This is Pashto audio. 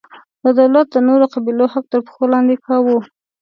دولت د نورو قبیلو حق تر پښو لاندې کاوه.